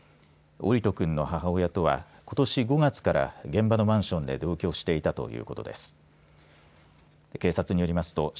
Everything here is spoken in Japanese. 桜利斗くんの母親とはことし５月から現場のマンションで同居していたということです。